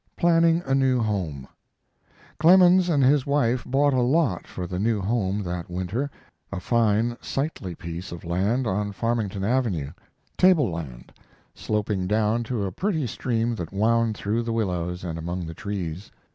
PLANNING A NEW HOME Clemens and his wife bought a lot for the new home that winter, a fine, sightly piece of land on Farmington Avenue table land, sloping down to a pretty stream that wound through the willows and among the trees.